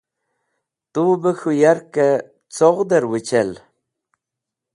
Tub k̃hũ yarkẽ coghdẽr wechel?